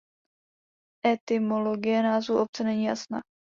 Etymologie názvu obce není jasná.